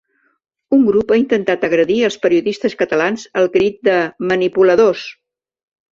Un grup ha intentat agredir els periodistes catalans al crit de ‘Manipuladors!’